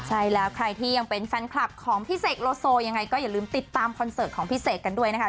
ใช่แล้วใครที่ยังเป็นแฟนคลับของพี่เสกโลโซยังไงก็อย่าลืมติดตามคอนเสิร์ตของพี่เสกกันด้วยนะคะ